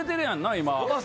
今。